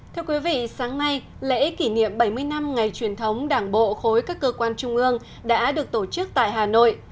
thưa quý vị sáng nay lễ kỷ niệm bảy mươi năm ngày truyền thống đảng bộ khối các cơ quan trung ương đã được tổ chức tại hà nội